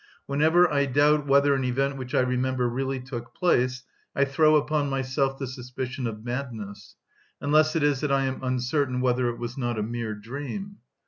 Whenever I doubt whether an event which I remember really took place, I throw upon myself the suspicion of madness: unless it is that I am uncertain whether it was not a mere dream.